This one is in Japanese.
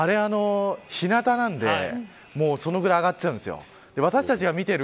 あれは、日なたなのでそのぐらい上がっちゃうんですよ。